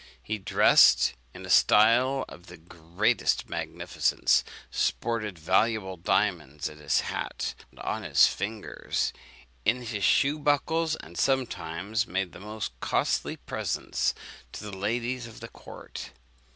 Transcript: He dressed in a style of the greatest magnificence; sported valuable diamonds in his hat, on his fingers, and in his shoe buckles; and sometimes made the most costly presents to the ladies of the court.